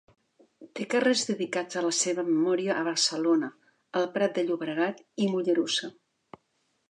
Té carrers dedicats a la seva memòria a Barcelona, El Prat de Llobregat i Mollerussa.